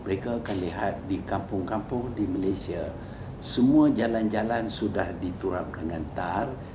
mereka akan lihat di kampung kampung di malaysia semua jalan jalan sudah diturap dengan tar